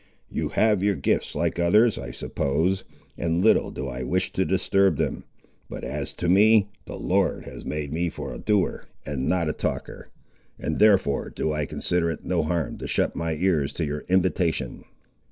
You have your gifts like others, I suppose, and little do I wish to disturb them. But as to me, the Lord has made me for a doer and not a talker, and therefore do I consider it no harm to shut my ears to your invitation."